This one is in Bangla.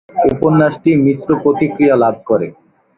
উপন্যাসটি মিশ্র প্রতিক্রিয়া লাভ করে।